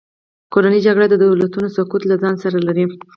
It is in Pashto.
کورنۍ جګړې د دولتونو سقوط له ځان سره لري.